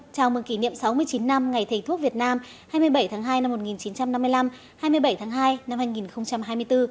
chào mừng kỷ niệm sáu mươi chín năm ngày thầy thuốc việt nam hai mươi bảy tháng hai năm một nghìn chín trăm năm mươi năm hai mươi bảy tháng hai năm hai nghìn hai mươi bốn